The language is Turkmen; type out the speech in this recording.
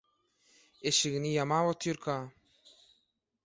eşigini ýamap otyrka